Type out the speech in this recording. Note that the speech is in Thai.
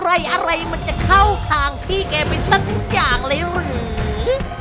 อะไรอะไรมันจะเข้าทางพี่แกไปสักทุกอย่างเลยหรือ